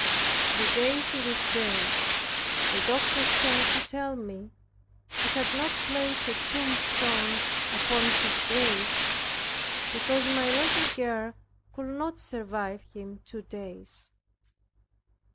The day he was buried, the doctor sent to tell me he had not placed a tombstone upon his grave, because my little girl could not survive him two days.